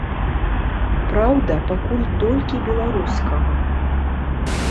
Праўда, пакуль толькі беларускага.